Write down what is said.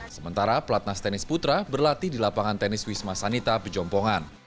sementara pelatnas tenis putra berlatih di lapangan tenis wisma sanita pejompongan